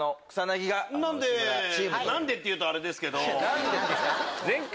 何で？って言うとあれですけど。